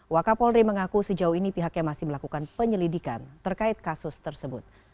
wakapolri mengaku sejauh ini pihaknya masih melakukan penyelidikan terkait kasus tersebut